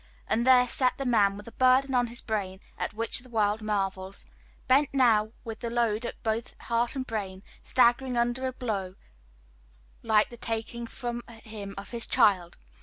And there sat the man, with a burden on his brain at which the world marvels bent now with the load at both heart and brain staggering under a blow like the taking from him of his child!